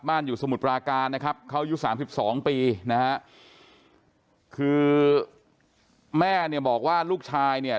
อยู่สมุทรปราการนะครับเขาอายุสามสิบสองปีนะฮะคือแม่เนี่ยบอกว่าลูกชายเนี่ย